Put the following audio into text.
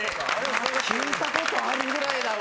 聞いたことあるぐらいだわ。